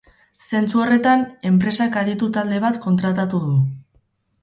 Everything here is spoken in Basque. Zentzu horretan, enpresak aditu talde bat kontratatu du.